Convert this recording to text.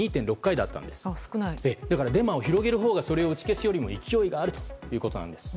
だからデマを広げるほうがそれを打ち消すよりも勢いがあるということなんです。